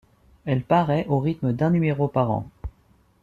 Elle paraît au rythme d'un numéro par an.